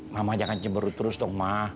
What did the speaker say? mama jangan cemberu terus dong ma